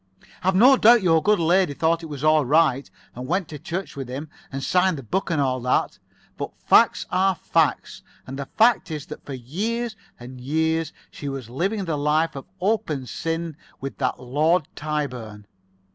I've no doubt your good lady thought it was all right, and went to church with him, and signed the book and all that. But facts are facts, and the fact is that for years and years she was living the life of open sin with that Lord Tyburn.